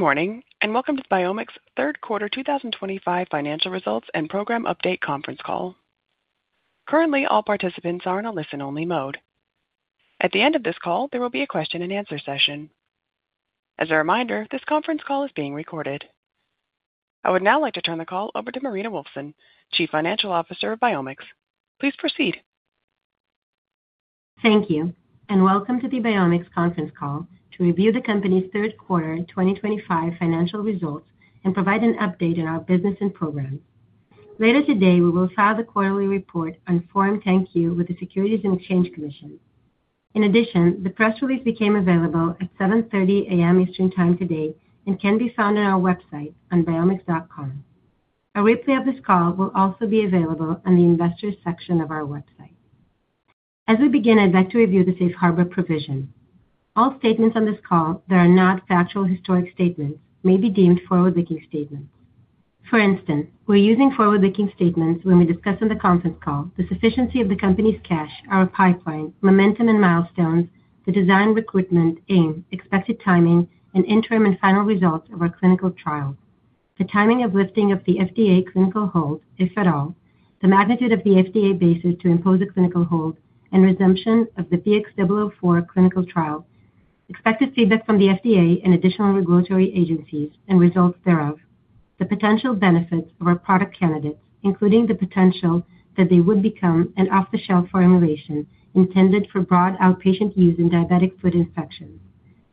Good morning and welcome to BiomX's third quarter 2025 financial results and program update conference call. Currently, all participants are in a listen-only mode. At the end of this call, there will be a question-and-answer session. As a reminder, this conference call is being recorded. I would now like to turn the call over to Marina Wolfson, Chief Financial Officer of BiomX. Please proceed. Thank you and welcome to the BiomX conference call to review the company's third quarter 2025 financial results and provide an update on our business and program. Later today, we will file the quarterly report on Form 10-Q with the Securities and Exchange Commission. In addition, the press release became available at 7:30 A.M. Eastern Time today and can be found on our website on biomx.com. A replay of this call will also be available on the investors' section of our website. As we begin, I'd like to review the safe harbor provision. All statements on this call that are not factual historic statements may be deemed forward-looking statements. For instance, we're using forward-looking statements when we discuss on the conference call the sufficiency of the company's cash, our pipeline, momentum and milestones, the design, recruitment, aim, expected timing, and interim and final results of our clinical trial, the timing of lifting of the U.S. Food and Drug Administration clinical hold, if at all, the magnitude of the U.S. Food and Drug Administration basis to impose a clinical hold, and resumption of the BX004 clinical trial, expected feedback from the U.S. Food and Drug Administration and additional regulatory agencies and results thereof, the potential benefits of our product candidates, including the potential that they would become an off-the-shelf formulation intended for broad outpatient use in diabetic foot infections,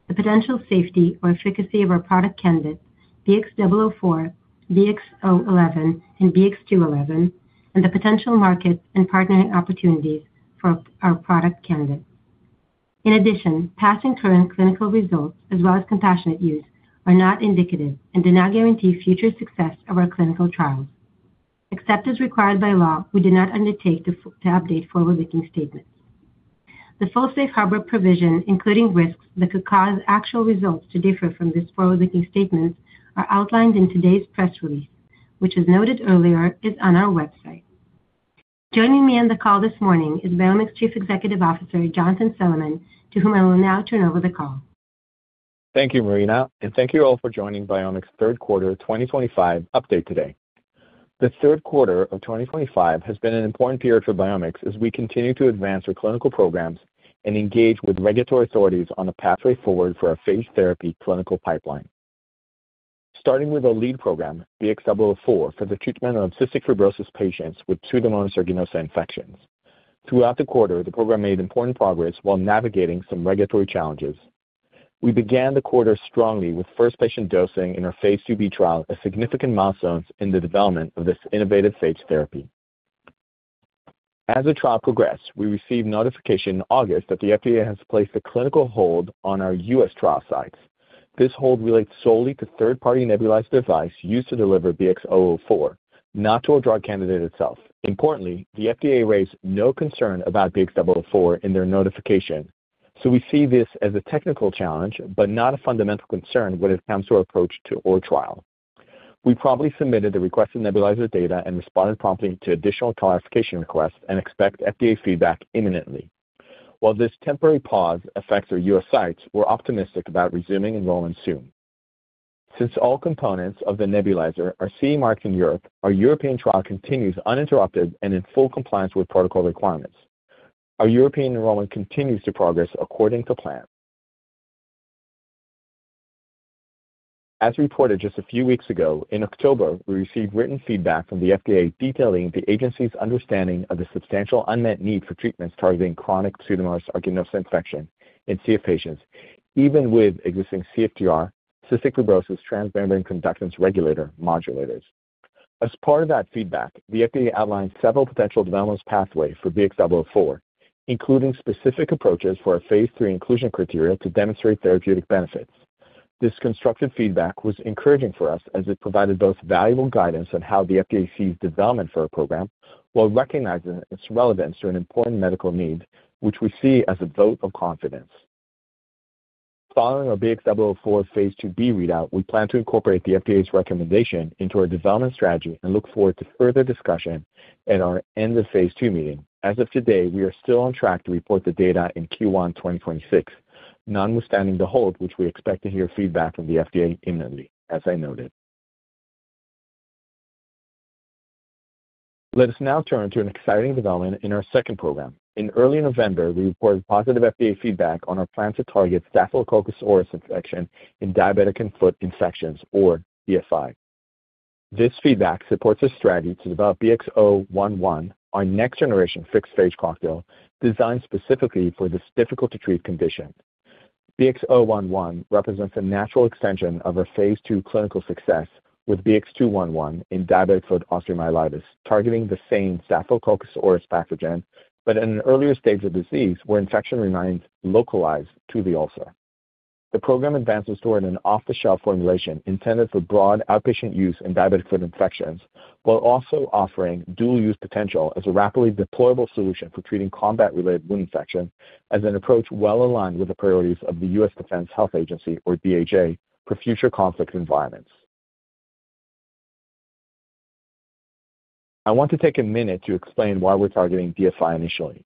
the potential safety or efficacy of our product candidates, BX004, BX011, and BX211, and the potential market and partnering opportunities for our product candidates. In addition, passing current clinical results as well as compassionate use are not indicative and do not guarantee future success of our clinical trials. Except as required by law, we do not undertake to update forward-looking statements. The full safe harbor provision, including risks that could cause actual results to differ from these forward-looking statements, are outlined in today's press release, which, as noted earlier, is on our website. Joining me on the call this morning is BiomX Chief Executive Officer Jonathan Solomon, to whom I will now turn over the call. Thank you, Marina, and thank you all for joining BiomX's third quarter 2025 update today. The third quarter of 2025 has been an important period for BiomX as we continue to advance our clinical programs and engage with regulatory authorities on a pathway forward for our phage therapy clinical pipeline. Starting with a lead program, BX004, for the treatment of cystic fibrosis patients with Pseudomonas aeruginosa infections. Throughout the quarter, the program made important progress while navigating some regulatory challenges. We began the quarter strongly with first patient dosing in our phase IIB trial at significant milestones in the development of this innovative phage therapy. As the trial progressed, we received notification in August that the U.S. Food and Drug Administration has placed a clinical hold on our U.S. trial sites. This hold relates solely to third-party nebulizer devices used to deliver BX004, not to our drug candidate itself. Importantly, the FDA raised no concern about BX004 in their notification, so we see this as a technical challenge but not a fundamental concern when it comes to our approach to our trial. We promptly submitted the requested nebulizer data and responded promptly to additional clarification requests and expect FDA feedback imminently. While this temporary pause affects our U.S. sites, we're optimistic about resuming enrollment soon. Since all components of the nebulizer are CE marked in Europe, our European trial continues uninterrupted and in full compliance with protocol requirements. Our European enrollment continues to progress according to plan. As reported just a few weeks ago, in October, we received written feedback from the FDA detailing the agency's understanding of the substantial unmet need for treatments targeting chronic Pseudomonas aeruginosa infection in CF patients, even with existing CFTR, cystic fibrosis, transmembrane conductance regulator modulators. As part of that feedback, the FDA outlined several potential development pathways for BX004, including specific approaches for our phase III inclusion criteria to demonstrate therapeutic benefits. This constructive feedback was encouraging for us as it provided both valuable guidance on how the FDA sees development for our program while recognizing its relevance to an important medical need, which we see as a vote of confidence. Following our BX004 phase IIB readout, we plan to incorporate the FDA's recommendation into our development strategy and look forward to further discussion at our end of phase II meeting. As of today, we are still on track to report the data in Q1 2026, notwithstanding the hold, which we expect to hear feedback from the FDA imminently, as I noted. Let us now turn to an exciting development in our second program. In early November, we reported positive FDA feedback on our plan to target Staphylococcus aureus infection in diabetic foot infections, or DFI. This feedback supports our strategy to develop BX011, our next-generation fixed phage cocktail designed specifically for this difficult-to-treat condition. BX011 represents a natural extension of our phase II clinical success with BX211 in diabetic foot osteomyelitis, targeting the same Staphylococcus aureus pathogen but at an earlier stage of disease where infection remains localized to the ulcer. The program advances toward an off-the-shelf formulation intended for broad outpatient use in diabetic foot infections while also offering dual-use potential as a rapidly deployable solution for treating combat-related wound infections as an approach well aligned with the priorities of the U.S. Defense Health Agency, or DHA, for future conflict environments. I want to take a minute to explain why we're targeting DFI initially.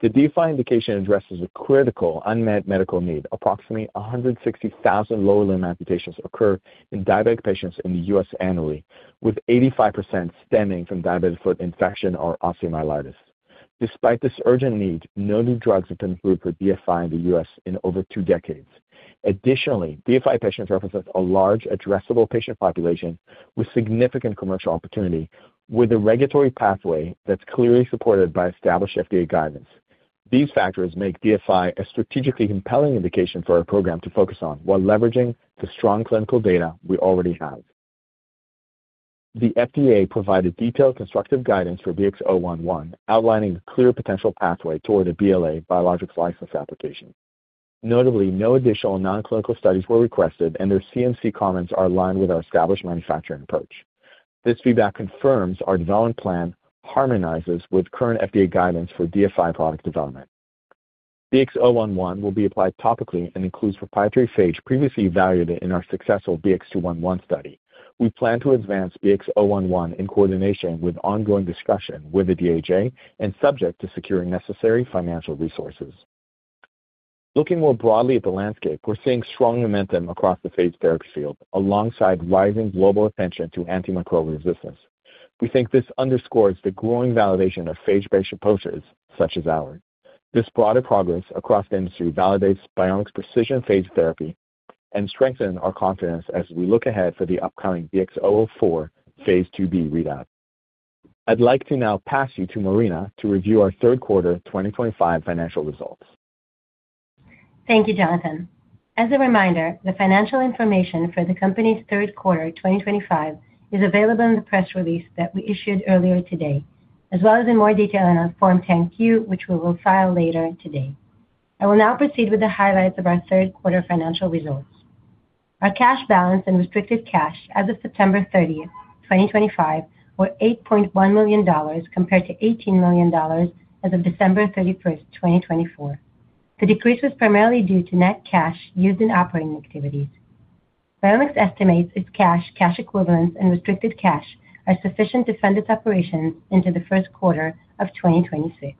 The DFI indication addresses a critical unmet medical need. Approximately 160,000 lower limb amputations occur in diabetic patients in the U.S. annually, with 85% stemming from diabetic foot infection or osteomyelitis. Despite this urgent need, no new drugs have been approved for DFI in the U.S. in over two decades. Additionally, DFI patients represent a large, addressable patient population with significant commercial opportunity, with a regulatory pathway that's clearly supported by established FDA guidance. These factors make DFI a strategically compelling indication for our program to focus on while leveraging the strong clinical data we already have. The FDA provided detailed constructive guidance for BX011, outlining a clear potential pathway toward a BLA biologics license application. Notably, no additional non-clinical studies were requested, and their CMC comments are aligned with our established manufacturing approach. This feedback confirms our development plan harmonizes with current FDA guidance for DFI product development. BX011 will be applied topically and includes proprietary phage previously evaluated in our successful BX211 study. We plan to advance BX011 in coordination with ongoing discussion with the DHA and subject to securing necessary financial resources. Looking more broadly at the landscape, we're seeing strong momentum across the phage therapy field alongside rising global attention to antimicrobial resistance. We think this underscores the growing validation of phage-based approaches such as ours. This broader progress across the industry validates BiomX's precision phage therapy and strengthens our confidence as we look ahead for the upcoming BX004 phase IIB readout. I'd like to now pass you to Marina to review our third quarter 2025 financial results. Thank you, Jonathan. As a reminder, the financial information for the company's third quarter 2025 is available in the press release that we issued earlier today, as well as in more detail in our Form 10-Q, which we will file later today. I will now proceed with the highlights of our third quarter financial results. Our cash balance and restricted cash as of September 30, 2025, were $8.1 million compared to $18 million as of December 31, 2024. The decrease was primarily due to net cash used in operating activities. BiomX estimates its cash, cash equivalents, and restricted cash are sufficient to fund its operations into the first quarter of 2026.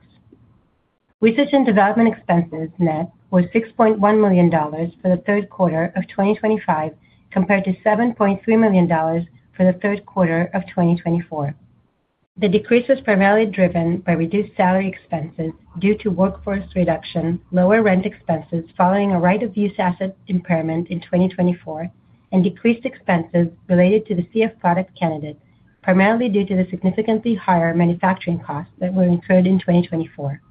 Research and development expenses net were $6.1 million for the third quarter of 2025 compared to $7.3 million for the third quarter of 2024. The decrease was primarily driven by reduced salary expenses due to workforce reduction, lower rent expenses following a right-of-use asset impairment in 2024, and decreased expenses related to the CF product candidate, primarily due to the significantly higher manufacturing costs that were incurred in 2024.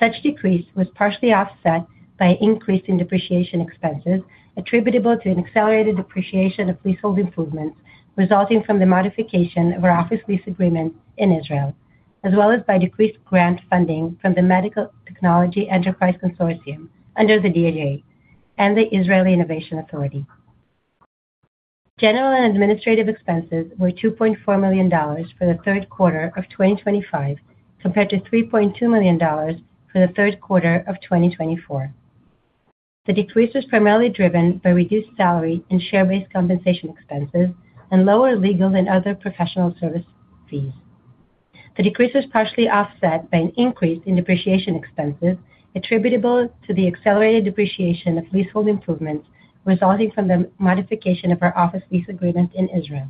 Such decrease was partially offset by increasing depreciation expenses attributable to an accelerated depreciation of leasehold improvements resulting from the modification of our office lease agreement in Israel, as well as by decreased grant funding from the Medical Technology Enterprise Consortium under the U.S. Defense Health Agency and the Israeli Innovation Authority. General and administrative expenses were $2.4 million for the third quarter of 2025 compared to $3.2 million for the third quarter of 2024. The decrease was primarily driven by reduced salary and share-based compensation expenses and lower legal and other professional service fees. The decrease was partially offset by an increase in depreciation expenses attributable to the accelerated depreciation of leasehold improvements resulting from the modification of our office lease agreement in Israel.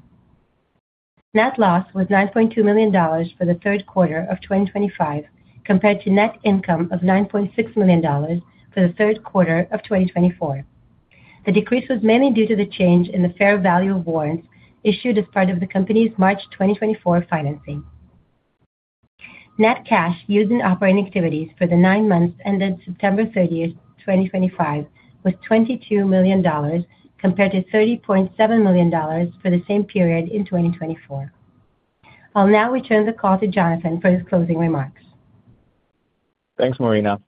Net loss was $9.2 million for the third quarter of 2025 compared to net income of $9.6 million for the third quarter of 2024. The decrease was mainly due to the change in the fair value of warrants issued as part of the company's March 2024 financing. Net cash used in operating activities for the nine months ended September 30, 2025, was $22 million compared to $30.7 million for the same period in 2024. I'll now return the call to Jonathan for his closing remarks. Thanks, Marina.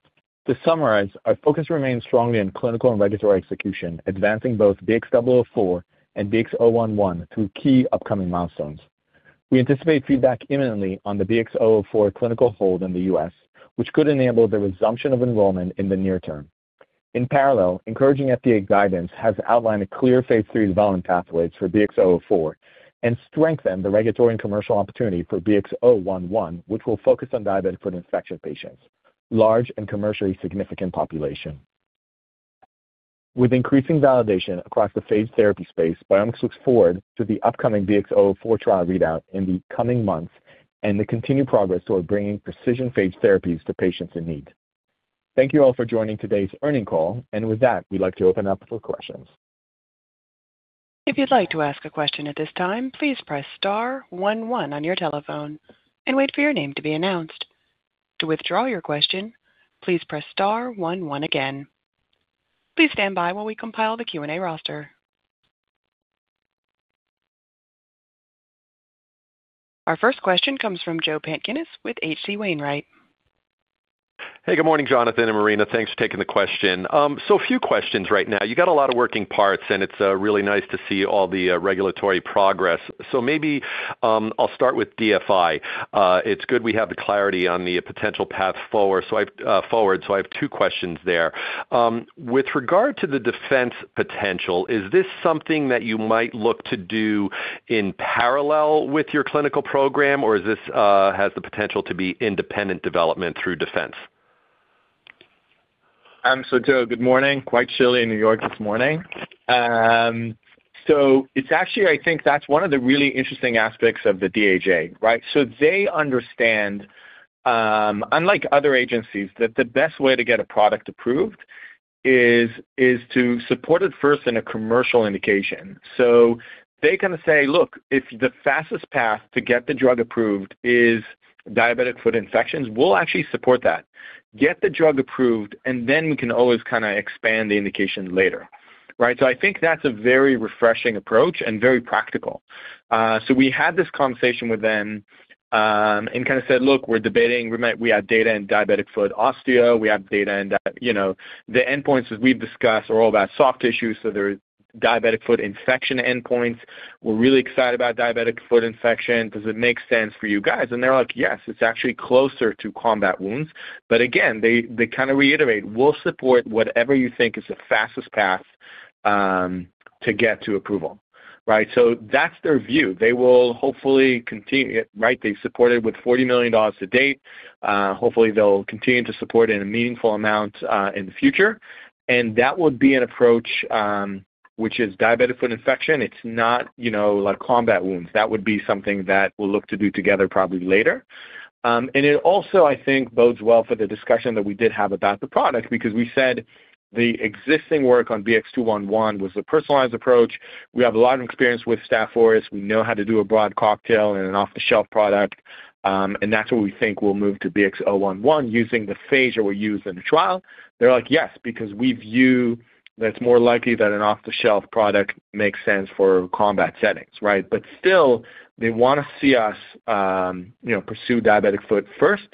To summarize, our focus remains strongly on clinical and regulatory execution, advancing both BX004 and BX011 through key upcoming milestones. We anticipate feedback imminently on the BX004 clinical hold in the U.S., which could enable the resumption of enrollment in the near term. In parallel, encouraging FDA guidance has outlined a clear phase III development pathway for BX004 and strengthened the regulatory and commercial opportunity for BX011, which will focus on diabetic foot infection patients, large and commercially significant population. With increasing validation across the phage therapy space, BiomX looks forward to the upcoming BX004 trial readout in the coming months and the continued progress toward bringing precision phage therapies to patients in need. Thank you all for joining today's earnings call, and with that, we'd like to open it up for questions. If you'd like to ask a question at this time, please press star 11 on your telephone and wait for your name to be announced. To withdraw your question, please press star 11 again. Please stand by while we compile the Q&A roster. Our first question comes from Joe Pantginis with HC Wainwright. Hey, good morning, Jonathan and Marina. Thanks for taking the question. A few questions right now. You've got a lot of working parts, and it's really nice to see all the regulatory progress. Maybe I'll start with DFI. It's good we have the clarity on the potential path forward. I have two questions there. With regard to the defense potential, is this something that you might look to do in parallel with your clinical program, or has the potential to be independent development through defense? Joe, good morning. Quite chilly in New York this morning. It's actually, I think that's one of the really interesting aspects of the DHA, right? They understand, unlike other agencies, that the best way to get a product approved is to support it first in a commercial indication. They kind of say, "Look, if the fastest path to get the drug approved is diabetic foot infections, we'll actually support that. Get the drug approved, and then we can always kind of expand the indication later," right? I think that's a very refreshing approach and very practical. We had this conversation with them and kind of said, "Look, we're debating. We have data in diabetic foot osteo. We have data in the endpoints that we've discussed are all about soft tissue. So there are diabetic foot infection endpoints. We're really excited about diabetic foot infection. Does it make sense for you guys?" and they're like, "Yes, it's actually closer to combat wounds." They kind of reiterate, "We'll support whatever you think is the fastest path to get to approval," right? That is their view. They will hopefully continue, right? They supported with $40 million to date. Hopefully, they'll continue to support in a meaningful amount in the future. That would be an approach which is diabetic foot infection. It's not like combat wounds. That would be something that we'll look to do together probably later. It also, I think, bodes well for the discussion that we did have about the product because we said the existing work on BX211 was a personalized approach. We have a lot of experience with Staph aureus. We know how to do a broad cocktail and an off-the-shelf product. That's where we think we'll move to BX011 using the phage that we're using in the trial. They're like, "Yes, because we view that it's more likely that an off-the-shelf product makes sense for combat settings," right? Still, they want to see us pursue diabetic foot first,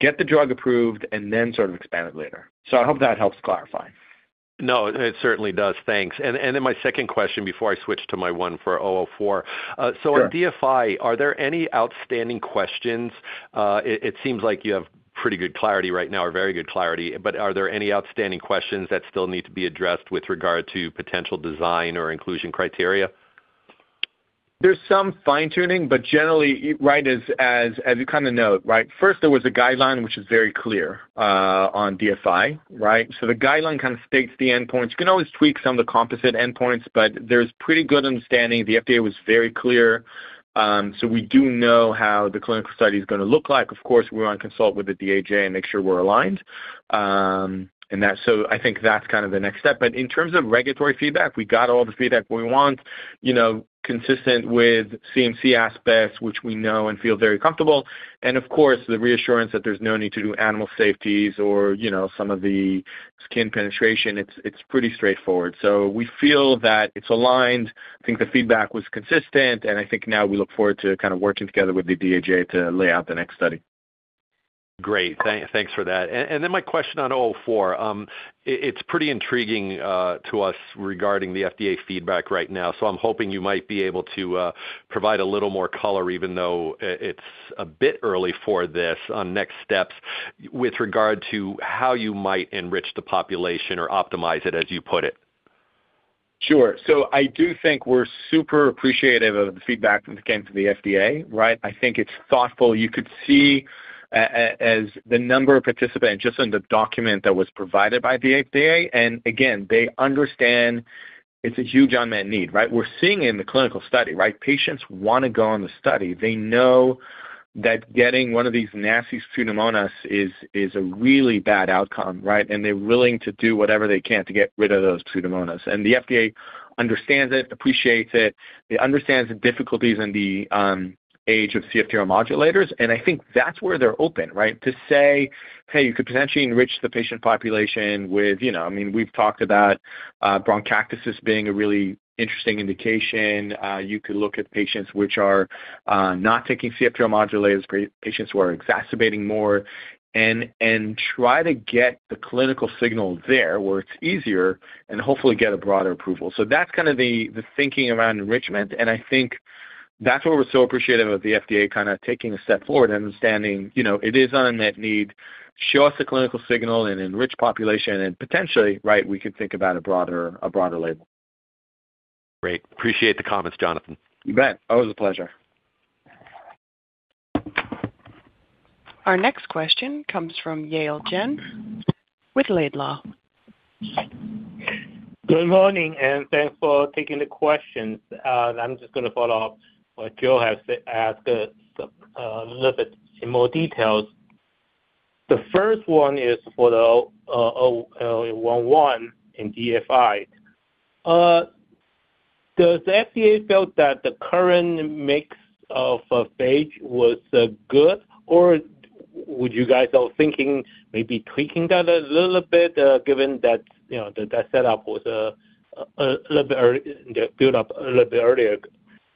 get the drug approved, and then sort of expand it later. I hope that helps clarify. No, it certainly does. Thanks. My second question before I switch to my one for 004. On DFI, are there any outstanding questions? It seems like you have pretty good clarity right now, or very good clarity, but are there any outstanding questions that still need to be addressed with regard to potential design or inclusion criteria? There's some fine-tuning, but generally, right, as you kind of note, right? First, there was a guideline which is very clear on DFI, right? The guideline kind of states the endpoints. You can always tweak some of the composite endpoints, but there's pretty good understanding. The U.S. Food and Drug Administration was very clear. We do know how the clinical study is going to look like. Of course, we want to consult with the U.S. Defense Health Agency and make sure we're aligned. I think that's kind of the next step. In terms of regulatory feedback, we got all the feedback we want, consistent with Chemistry, Manufacturing, and Controls aspects, which we know and feel very comfortable. Of course, the reassurance that there's no need to do animal safeties or some of the skin penetration, it's pretty straightforward. We feel that it's aligned. I think the feedback was consistent, and I think now we look forward to kind of working together with the DHA to lay out the next study. Great. Thanks for that. My question on 004. It's pretty intriguing to us regarding the FDA feedback right now. I'm hoping you might be able to provide a little more color, even though it's a bit early for this, on next steps with regard to how you might enrich the population or optimize it, as you put it. Sure. I do think we're super appreciative of the feedback that came from the FDA, right? I think it's thoughtful. You could see the number of participants just on the document that was provided by the FDA. Again, they understand it's a huge unmet need, right? We're seeing in the clinical study, right? Patients want to go on the study. They know that getting one of these nasty Pseudomonas is a really bad outcome, right? They're willing to do whatever they can to get rid of those Pseudomonas. The FDA understands it, appreciates it. It understands the difficulties in the age of CFTR modulators. I think that's where they're open, right, to say, "Hey, you could potentially enrich the patient population with, I mean, we've talked about bronchiectasis being a really interesting indication. You could look at patients which are not taking CFTR modulators, patients who are exacerbating more, and try to get the clinical signal there where it's easier and hopefully get a broader approval. That's kind of the thinking around enrichment. I think that's why we're so appreciative of the FDA kind of taking a step forward and understanding it is an unmet need. Show us the clinical signal and enrich population, and potentially, right, we could think about a broader label. Great. Appreciate the comments, Jonathan. You bet. Always a pleasure. Our next question comes from Yale Jen with Laidlaw. Good morning, and thanks for taking the questions. I'm just going to follow up what Joe has asked a little bit in more detail. The first one is for the BX011 in DFI. Does the FDA feel that the current mix of phage was good, or would you guys all thinking maybe tweaking that a little bit given that that setup was a little bit built up a little bit earlier?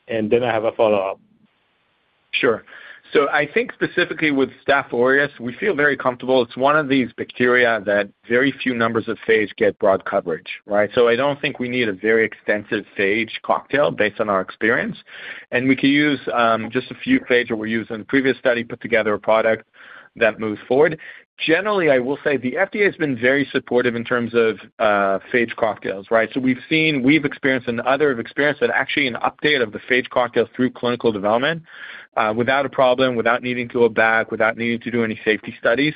And then I have a follow-up. Sure. I think specifically with Staph aureus, we feel very comfortable. It's one of these bacteria that very few numbers of phage get broad coverage, right? I don't think we need a very extensive phage cocktail based on our experience. We can use just a few phage that were used in the previous study, put together a product that moves forward. Generally, I will say the FDA has been very supportive in terms of phage cocktails, right? We've seen, we've experienced, and others have experienced that actually an update of the phage cocktail through clinical development without a problem, without needing to go back, without needing to do any safety studies.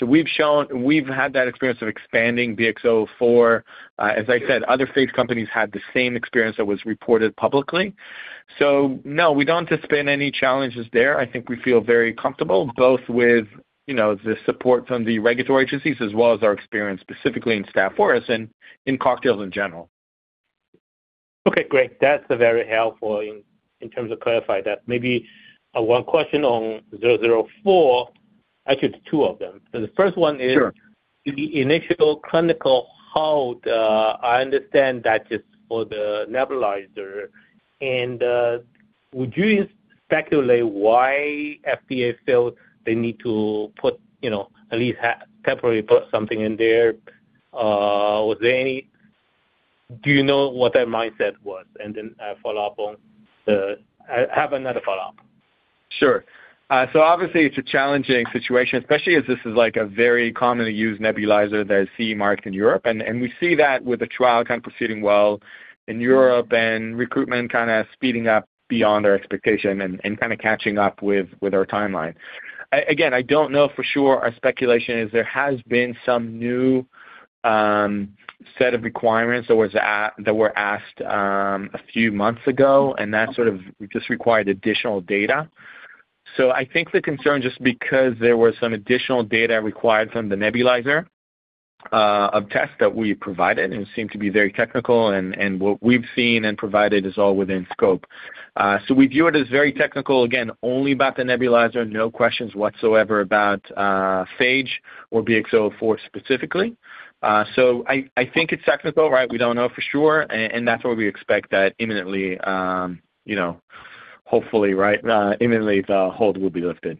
We've had that experience of expanding BX004. As I said, other phage companies had the same experience that was reported publicly. No, we don't anticipate any challenges there. I think we feel very comfortable both with the support from the regulatory agencies as well as our experience specifically in Staph aureus and in cocktails in general. Okay. Great. That's very helpful in terms of clarifying that. Maybe one question on 004. Actually, it's two of them. The first one is the initial clinical hold. I understand that just for the nebulizer. Would you speculate why FDA feels they need to put at least temporarily put something in there? Do you know what that mindset was? I have another follow-up. Sure. Obviously, it's a challenging situation, especially as this is like a very commonly used nebulizer that is CE marked in Europe. We see that with the trial proceeding well in Europe and recruitment speeding up beyond our expectation and catching up with our timeline. Again, I don't know for sure. Our speculation is there has been some new set of requirements that were asked a few months ago, and that just required additional data. I think the concern is just because there were some additional data required from the nebulizer tests that we provided, and it seemed to be very technical. What we've seen and provided is all within scope. We view it as very technical, again, only about the nebulizer. No questions whatsoever about phage or BX004 specifically. I think it's technical, right? We don't know for sure. That's why we expect that imminently, hopefully, right, imminently the hold will be lifted.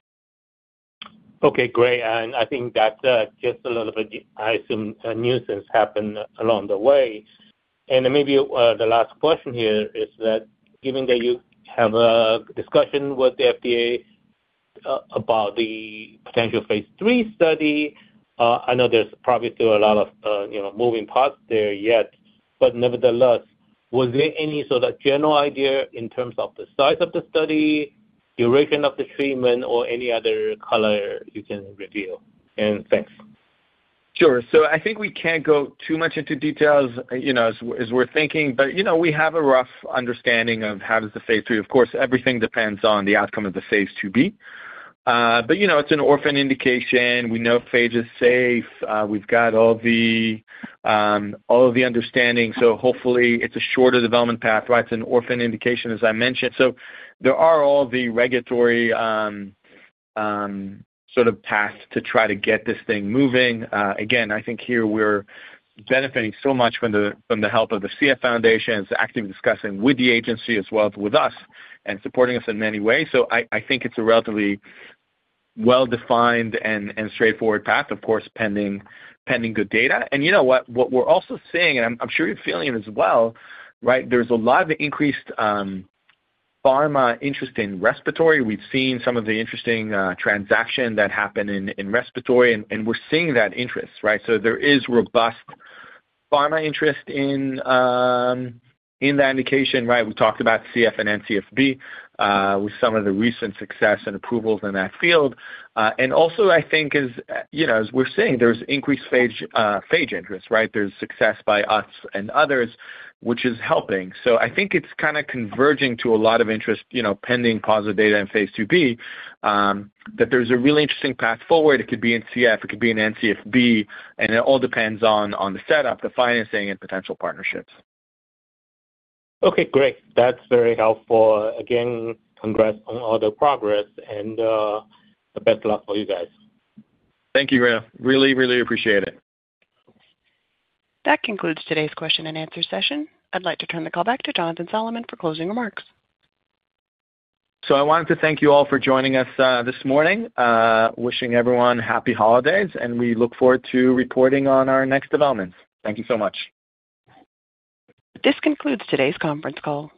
Okay. Great. I think that's just a little bit, I assume, nuisance happened along the way. Maybe the last question here is that given that you have a discussion with the FDA about the potential phase III study, I know there's probably still a lot of moving parts there yet, but nevertheless, was there any sort of general idea in terms of the size of the study, duration of the treatment, or any other color you can reveal? Thanks. Sure. I think we can't go too much into details as we're thinking, but we have a rough understanding of how does the phase III. Of course, everything depends on the outcome of the phase IIB. It's an orphan indication. We know phage is safe. We've got all the understanding. Hopefully, it's a shorter development path, right? It's an orphan indication, as I mentioned. There are all the regulatory sort of tasks to try to get this thing moving. I think here we're benefiting so much from the help of the Cystic Fibrosis Foundation. It's actively discussing with the agency as well as with us and supporting us in many ways. I think it's a relatively well-defined and straightforward path, of course, pending good data. You know what? What we're also seeing, and I'm sure you're feeling it as well, right? There's a lot of increased pharma interest in respiratory. We've seen some of the interesting transaction that happened in respiratory, and we're seeing that interest, right? There is robust pharma interest in that indication, right? We talked about CF and NCFB with some of the recent success and approvals in that field. Also, I think, as we're seeing, there's increased phage interest, right? There's success by us and others, which is helping. I think it's kind of converging to a lot of interest pending positive data in phase IIB that there's a really interesting path forward. It could be in CF. It could be in NCFB. It all depends on the setup, the financing, and potential partnerships. Okay. Great. That's very helpful. Again, congrats on all the progress. Best of luck for you guys. Thank you, Rita. Really, really appreciate it. That concludes today's question and answer session. I'd like to turn the call back to Jonathan Solomon for closing remarks. I wanted to thank you all for joining us this morning, wishing everyone happy holidays. We look forward to reporting on our next developments. Thank you so much. This concludes today's conference call.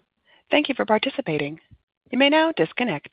Thank you for participating. You may now disconnect.